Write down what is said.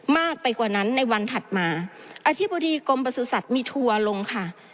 มากไปกว่านั้นในวันถัดมาอธิบดีกรมประสุทธิ์มีทัวร์ลงค่ะ